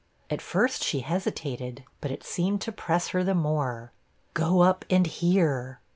At first she hesitated, but it seemed to press her the more 'Go up and hear!'